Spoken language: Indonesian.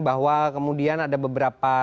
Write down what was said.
bahwa kemudian ada beberapa